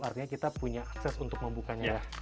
artinya kita punya akses untuk membukanya ya